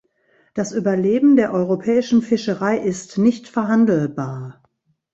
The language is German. Das Überleben der europäischen Fischerei ist nicht verhandelbar.